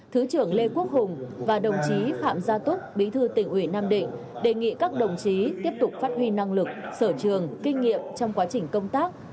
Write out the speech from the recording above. thứ trưởng lê quốc hùng và đồng chí phạm gia túc bí thư tỉnh ủy nam định đề nghị các đồng chí tiếp tục phát huy năng lực sở trường kinh nghiệm trong quá trình công tác